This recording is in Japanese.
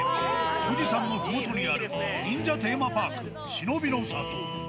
富士山のふもとにある忍者テーマパーク、しのびの里。